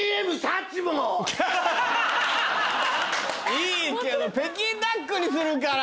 いいけど北京ダックにするから。